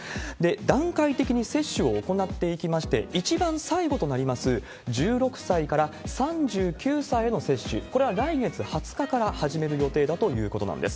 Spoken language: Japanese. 段階的に接種を行っていきまして、一番最後となります、１６歳から３９歳への接種、これは来月２０日から始める予定だということなんです。